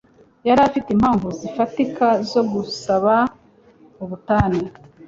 Yari afite impamvu zifatika zo gusaba ubutane.